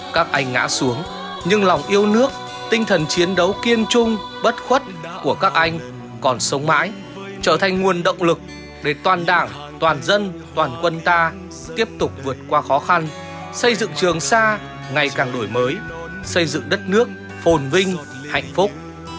các anh ngã xuống nhưng lòng yêu nước tinh thần chiến đấu kiên trung bất khuất của các anh còn sống mãi trở thành nguồn động lực để toàn đảng toàn dân toàn quân ta tiếp tục vượt qua khó khăn xây dựng trường sa ngày càng đổi mới xây dựng đất nước phồn vinh hạnh phúc